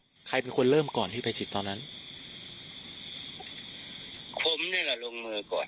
ความแน่ละลงมือก่อนเพราะว่าเป็นภูมิเป็นผู้ใหญ่กว่าไม่กลัวมันจะไม่สู้ถ้าไม่สู้แล้วก็แล้วไป